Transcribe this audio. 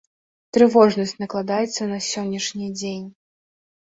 Трывожнасць накладаецца на сённяшні дзень.